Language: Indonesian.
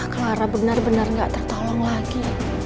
clara benar benar nggak tertolong lagi